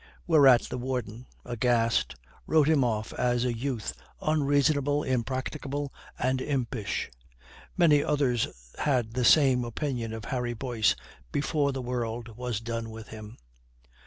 Whereat the Warden, aghast, wrote him off as a youth unreasonable, impracticable, and impish. Many others had the same opinion of Harry Boyce before the world was done with him.